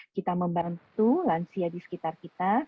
kita membantu lansia di sekitar kita